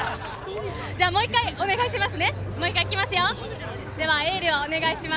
もう１回お願いします。